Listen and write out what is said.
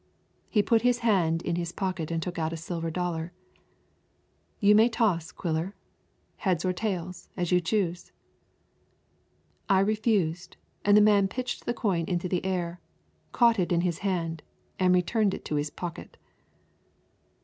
He put his hand in his pocket and took out a silver dollar. "You may toss, Quiller, heads or tails as you choose." I refused, and the man pitched the coin into the air, caught it in his hand and returned it to his pocket.